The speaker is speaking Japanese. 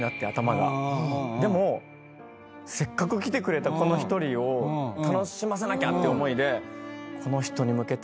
でもせっかく来てくれたこの１人を楽しませなきゃっていう思いで。